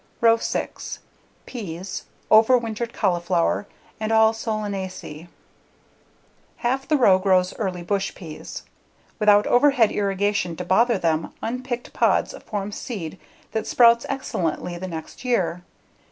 Row 6: Peas, Overwintered Cauliflower, and All Solanaceae Half the row grows early bush peas. Without overhead irrigation to bother them, unpicked pods form seed that sprouts excellently the next year.